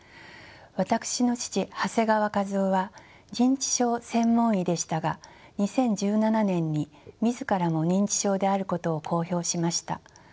私の父長谷川和夫は認知症専門医でしたが２０１７年に自らも認知症であることを公表しました。